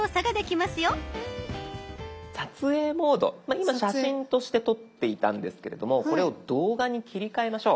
今「写真」として撮っていたんですけれどもこれを「動画」に切り替えましょう。